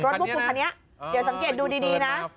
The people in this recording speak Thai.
พวกคุณคันนี้เดี๋ยวสังเกตดูดีนะ